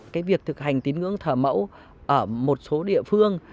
cái việc thực hành tín ngưỡng thờ mẫu ở một số địa phương